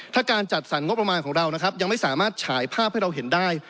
ถ้าการจัดสรรงบประมาณของเรานะครับยังไม่สามารถฉายภาพให้เราเห็นได้